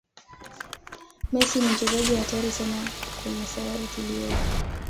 messi ni mchezaji hatari sana kwenye sayari tuliyopo